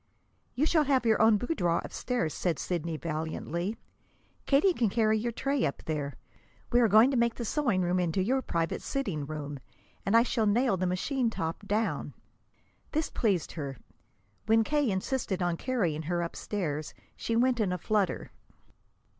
"You shall have your own boudoir upstairs," said Sidney valiantly. "Katie can carry your tray up there. We are going to make the sewing room into your private sitting room, and I shall nail the machine top down." This pleased her. When K. insisted on carrying her upstairs, she went in a flutter.